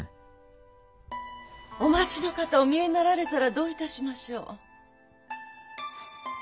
お待ちの方お見えになられたらどういたしましょう？